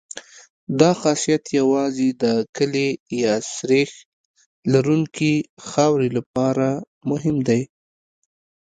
دا خاصیت یوازې د کلې یا سریښ لرونکې خاورې لپاره مهم دی